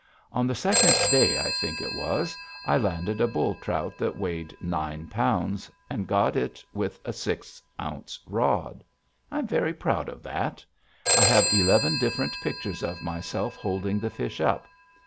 On the second day, I think it was, I landed a bull trout that weighed nine pounds, and got it with a six ounce rod. I am very proud of that. I have eleven different pictures of myself holding the fish up.